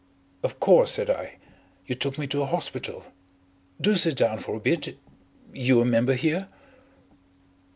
"Of course," said I. "You took me to a hospital. Do sit down for a bit. You a member here?"